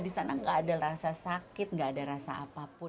di sana nggak ada rasa sakit nggak ada rasa apapun